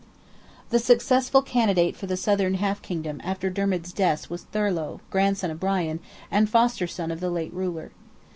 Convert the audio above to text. The successful candidate for the southern half kingdom after Dermid's death was Thorlogh, grandson of Brian, and foster son of the late ruler.